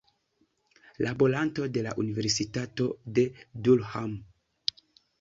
Laboranto de la Universitato de Durham.